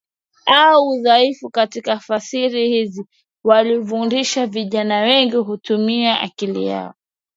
au udhaifu katika fasiri hizo Aliwafundisha vijana wengi kutumia akili yao